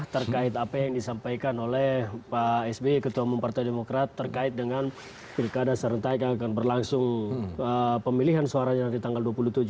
terkait apa yang disampaikan oleh pak sby ketua umum partai demokrat terkait dengan pilkada serentak yang akan berlangsung pemilihan suaranya nanti tanggal dua puluh tujuh